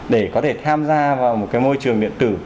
để có thể tham gia vào một cái môi trường điện tử